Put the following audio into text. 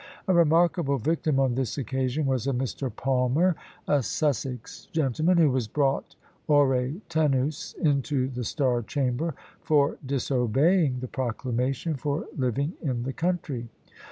A remarkable victim on this occasion was a Mr. Palmer, a Sussex gentleman, who was brought ore tenus into the Star Chamber for disobeying the proclamation for living in the country.